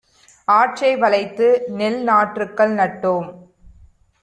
ஆற்றை வளைத்துநெல் நாற்றுக்கள் நட்டோ ம்;